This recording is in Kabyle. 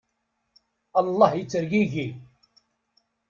Allah yettergigi!